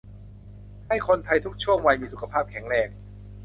ให้คนไทยทุกช่วงวัยมีสุขภาพแข็งแรง